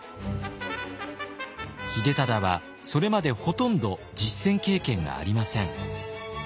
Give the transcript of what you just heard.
秀忠はそれまでほとんど実戦経験がありません。